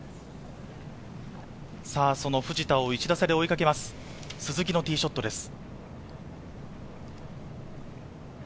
藤田を１打差で追いかけます、鈴木のティーショットです。